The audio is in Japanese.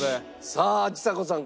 さあちさ子さん